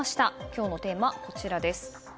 今日のテーマ、こちらです。